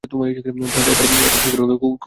ভারতে আত্মার আদর্শের উপর খুব ঝোঁক দেওয়া হইত।